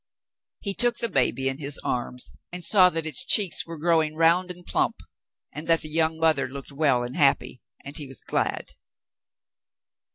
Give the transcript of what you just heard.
He took the baby in his arms and saw that its cheeks were growing round and plump, and that the young mother looked well and happy, and he was glad.